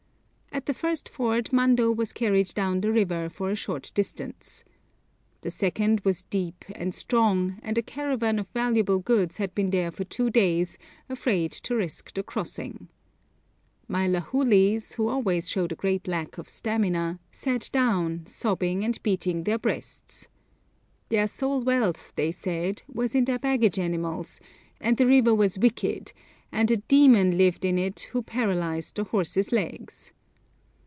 At the first ford Mando was carried down the river for a short distance. The second was deep and strong, and a caravan of valuable goods had been there for two days, afraid to risk the crossing. My Lahulis, who always showed a great lack of stamina, sat down, sobbing and beating their breasts. Their sole wealth, they said, was in their baggage animals, and the river was 'wicked,' and 'a demon' lived in it who paralysed the horses' legs.